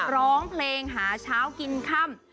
ร้องเพลงหาเช้ากินค่ำ